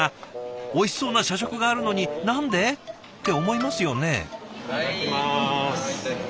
おいしそうな社食があるのに何で？って思いますよね。